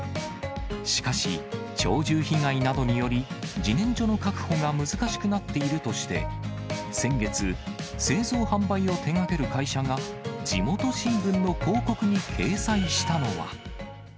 しかし、鳥獣被害などにより、じねんじょの確保が難しくなっているとして、先月、製造・販売を手がける会社が地元新聞の広告に掲載したのは。